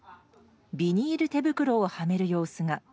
ビニール手袋をはめる様子が。